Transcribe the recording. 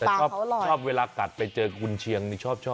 ชอบเวลากัดไปเจอกุญเชียงชอบ